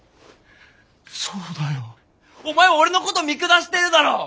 そうだよ。お前俺のこと見下してるだろ。